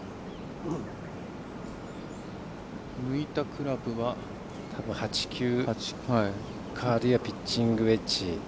抜いたクラブは８、９あるいはピッチングウエッジ。